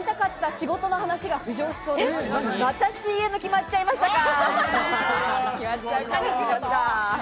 またＣＭ決まっちゃいましたか。